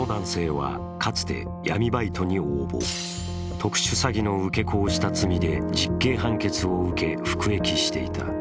特殊詐欺の受け子をした罪で実刑判決を受け服役していた。